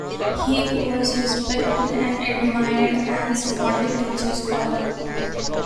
He was respected and admired as a model teacher-scholar.